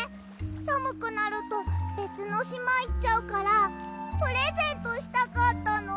さむくなるとべつのしまいっちゃうからプレゼントしたかったの。